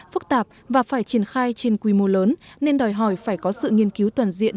phức tạp và phải triển khai trên quy mô lớn nên đòi hỏi phải có sự nghiên cứu toàn diện